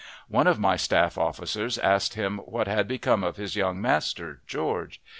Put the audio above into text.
One of my staff officers asked him what had become of his young master, George.